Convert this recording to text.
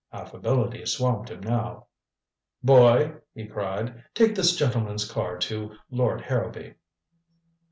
Affability swamped him now. "Boy!" he cried. "Take this gentleman's card to Lord Harrowby."